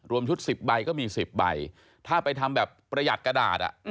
ชุด๑๐ใบก็มี๑๐ใบถ้าไปทำแบบประหยัดกระดาษ